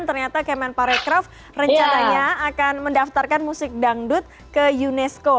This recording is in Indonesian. ternyata kemen parekraf rencananya akan mendaftarkan musik dangdut ke unesco